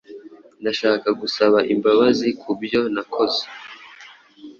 Ndashaka gusaba imbabazi kubyo nakoze.